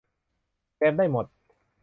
แจมได้หมด